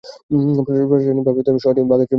প্রশাসনিকভাবে শহরটি বাঘাইছড়ি উপজেলার সদর।